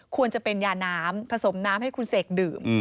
ควรจะเป็นยาน้ำผสมน้ำให้คุณเสกดื่ม